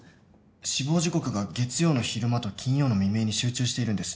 死亡時刻が月曜の昼間と金曜の未明に集中しているんです